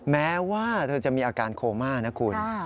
แม้ว่าเธอจะมีอาการโคม่านะคุณ